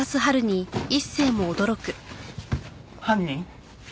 犯人？